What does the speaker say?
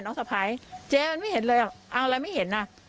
สะพ้ายเจ๊มันไม่เห็นเลยอ่ะเอาอะไรไม่เห็นอ่ะ